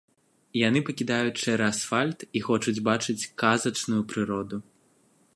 Яны пакідаюць шэры асфальт і хочуць бачыць казачную прыроду.